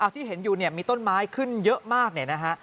ที่เห็นอยู่เนี่ยมีต้นไม้ขึ้นเยอะมากเนี่ยนะฮะ